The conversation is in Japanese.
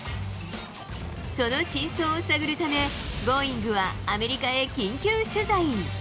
その真相を探るため、Ｇｏｉｎｇ！はアメリカへ緊急取材。